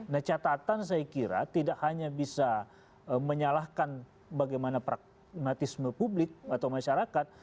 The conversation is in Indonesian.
nah catatan saya kira tidak hanya bisa menyalahkan bagaimana pragmatisme publik atau masyarakat